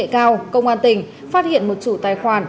công an tỉnh phát hiện một chủ tài khoản